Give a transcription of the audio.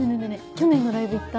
去年のライブ行った？